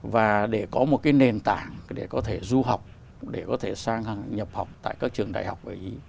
và để có một cái nền tảng để có thể du học để có thể sang nhập học tại các trường đại học ở ý